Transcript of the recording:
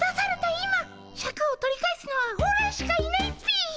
今シャクを取り返すのはオラしかいないっピ！